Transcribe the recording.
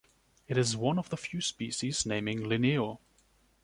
It is one of the few species naming Linneo